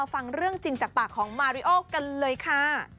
ฟังเรื่องจริงจากปากของมาริโอกันเลยค่ะ